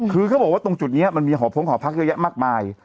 คือเขาบอกว่าตรงจุดนี้มันมีหอพงหอพักเยอะแยะมากมาย